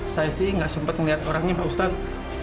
saya sih gak sempet ngeliat orangnya pak ustadz